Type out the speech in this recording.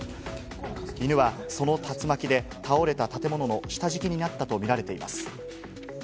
犬は、その竜巻で倒れた建物の下敷きになったとみられています。